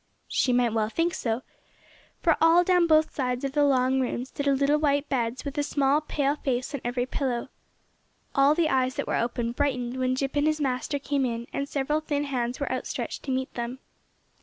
She might well think so, for all down both sides of the long room stood little white beds with a small pale face on every pillow. All the eyes that were open brightened when Jip and his master came in, and several thin hands were outstretched to meet them.